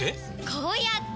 こうやって！